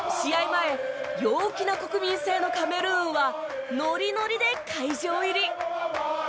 前陽気な国民性のカメルーンはノリノリで会場入り。